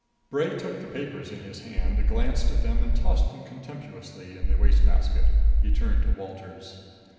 Bray took the papers in his hand, glanced at them and tossed them contemptuously into a waste basket. He turned to Walters.